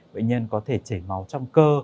bệnh nhân có thể chảy máu trong cơ